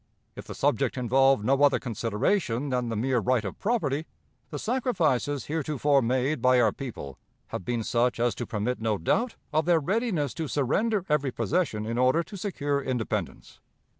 If the subject involved no other consideration than the mere right of property, the sacrifices heretofore made by our people have been such as to permit no doubt of their readiness to surrender every possession in order to secure independence.